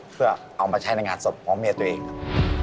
เพื่อเอามาใช้ในงานศพของเมียตัวเองครับ